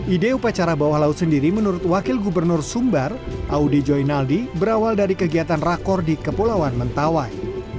ide upacara bawah laut sendiri menurut wakil gubernur sumbar audi joinaldi berawal dari kegiatan rakor di kepulauan mentawai